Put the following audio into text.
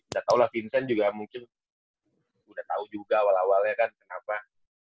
saya tahu lah vincent juga mungkin udah tahu juga awal awalnya kan kenapa